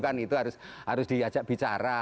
kan itu harus diajak bicara